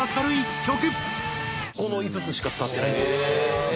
この５つしか使ってないんですよ。